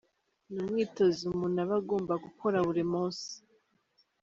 Ni umwitozo umuntu aba agomba gukora buri munsi.